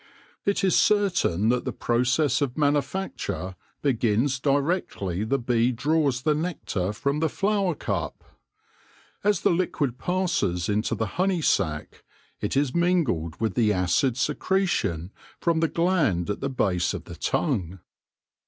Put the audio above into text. It is certain that the process of manufacture begins directly the bee draws the nectar from the flower cup. As the liquid passes into the honey sac it is mingled with the acid secretion from the gland at the base of the tongue.